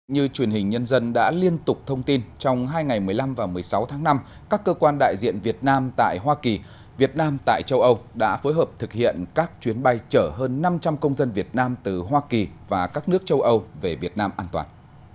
như truyền hình nhân dân đã liên tục thông tin trong hai ngày một mươi năm và một mươi sáu tháng năm các cơ quan đại diện việt nam tại hoa kỳ việt nam tại châu âu đã phối hợp thực hiện các chuyến bay chở hơn năm trăm linh công dân việt nam từ hoa kỳ và các nước châu âu về việt nam an toàn